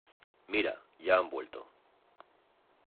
Mira, ya han vuelto.